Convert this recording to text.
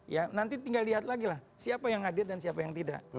ya nanti tinggal lihat lagi lah siapa yang hadir dan siapa yang tidak